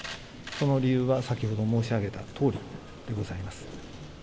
この理由は、先ほど申し上げたとおりでございます。